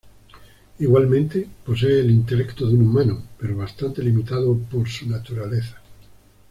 Igualmente, posee el intelecto de un humano, pero bastante limitado por su naturaleza.